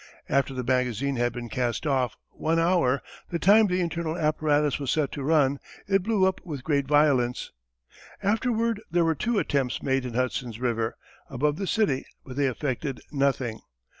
After the magazine had been cast off one hour, the time the internal apparatus was set to run, it blew up with great violence. Afterwards there were two attempts made in Hudson's River, above the city, but they effected nothing.